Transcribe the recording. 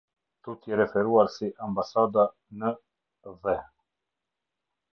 Tutje referuar si Ambasada n Dhe.